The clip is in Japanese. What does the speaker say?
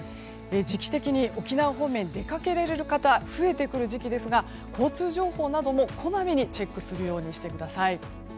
時期的に沖縄方面に出かけられる方が増えてくる時期ですが交通情報などもこまめにチェックするようにしてください。